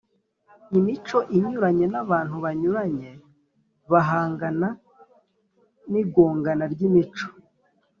Imico inyuranye n abantu banyuranye bahangana n igongana ry imico